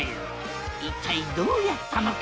一体どうやったのか？